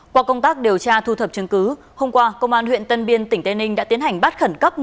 qua công tác điều tra thu thập chứng cứ hôm qua công an huyện tân biên tỉnh tây ninh đã tiến hành bắt khẩn cấp